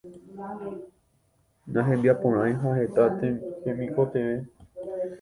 Nahembiaporãi ha heta hemikotevẽ